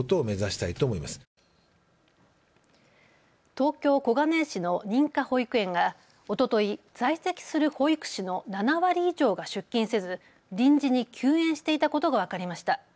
東京小金井市の認可保育園がおととい、在籍する保育士の７割以上が出勤せず臨時に休園していたことが分かりました。